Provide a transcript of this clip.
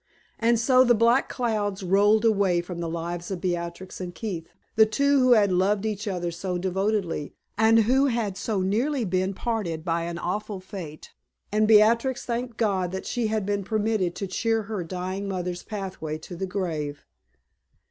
And so the black clouds rolled away from the lives of Beatrix and Keith, the two who had loved each other so devotedly, and who had so nearly been parted by an awful fate; and Beatrix thanked God that she had been permitted to cheer her dying mother's pathway to the grave.